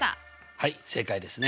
はい正解ですね。